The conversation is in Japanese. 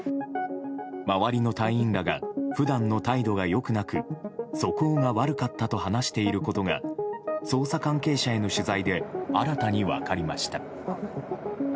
周りの隊員らが普段の態度が良くなく素行が悪かったと話していることが捜査関係者への取材で新たに分かりました。